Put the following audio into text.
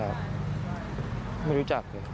ไม่ครับไม่ครับไม่รู้จักเลย